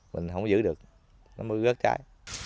mình không giữ được nó mới rớt trái